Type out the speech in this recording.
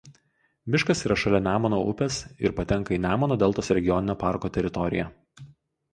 Miškas yra šalia Nemuno upės ir patenka į Nemuno deltos regioninio parko teritoriją.